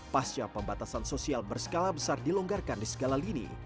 pasca pembatasan sosial berskala besar dilonggarkan di segala lini